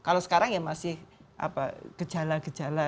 kalau sekarang ya masih gejala gejala